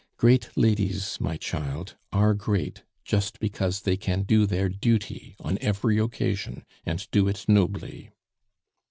Great ladies, my child, are great just because they can do their duty on every occasion, and do it nobly."